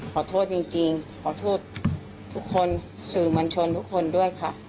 ขอโทษจริงขอโทษทุกคนสื่อมัญชนทุกคนด้วยค่ะ